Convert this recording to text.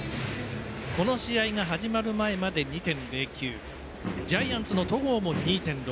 この試合が始まる前まで２．０９ジャイアンツの戸郷も２．６９。